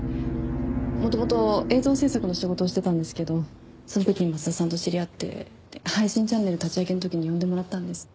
元々映像制作の仕事をしてたんですけどその時に松田さんと知り合って配信チャンネル立ち上げの時に呼んでもらったんです。